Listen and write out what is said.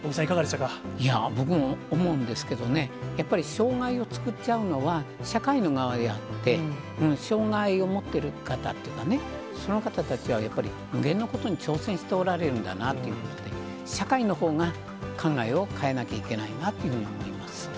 いや、僕も思うんですけどね、やっぱり障がいを作っちゃうのは社会の側であって、障がいを持ってる方っていうのは、その方たちはやっぱりいろんなことに挑戦しておられるんだなって、社会のほうが考えを変えなきゃいけないなっていうふうに思います。